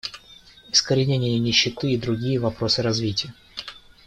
Искоренение нищеты и другие вопросы развития.